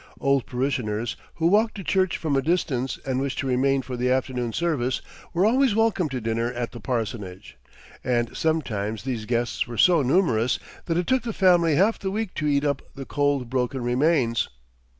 Old parishioners, who walked to church from a distance and wished to remain for the afternoon service, were always welcome to dinner at the parsonage, and sometimes these guests were so numerous that it took the family half the week to eat up the cold broken remains.